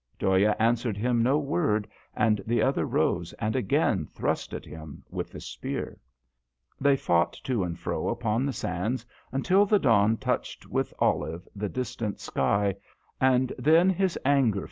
Dhoya answered him no word, and the other rose and again thrust at him with the spear. They fought to and fro upon the sands until the dawn touched with olive the distant sky, and then his anger DHOYA.